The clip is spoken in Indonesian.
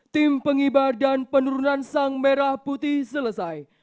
tim pengibar dan penurunan sang merah putih selesai